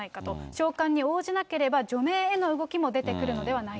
召喚に応じなければ、除名への動きも出てくるのではないかと。